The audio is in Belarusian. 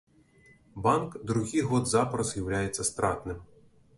Банк другі год запар з'яўляецца стратным.